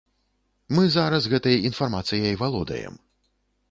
Мы зараз гэтай інфармацыяй валодаем.